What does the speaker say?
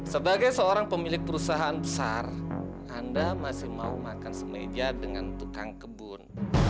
sebagai seorang pemilik perusahaan besar anda masih mau makan semeja dengan tukang kebun